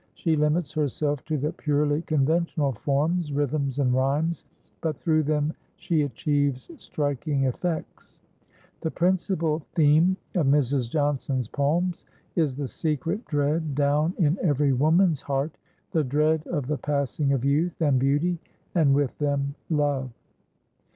She limits herself to the purely conventional forms, rhythms and rhymes, but through them she achieves striking effects. The principal theme of Mrs. Johnson's poems is the secret dread down in every woman's heart, the dread of the passing of youth and beauty, and with them love.